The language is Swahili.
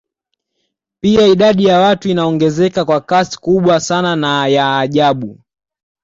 Pia idadi ya watu inaongezeka kwa kasi kubwa sana na ya ajabu